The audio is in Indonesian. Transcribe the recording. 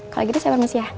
kalau gitu saya permisi ya